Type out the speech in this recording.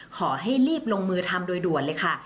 ขอให้รีบลงมือทำโดยด่วนเลยค่ะ